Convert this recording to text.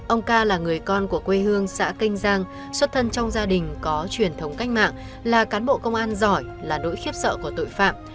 ông ca là người con của quê hương xã kênh giang xuất thân trong gia đình có truyền thống cách mạng là cán bộ công an giỏi là nỗi khiếp sợ của tội phạm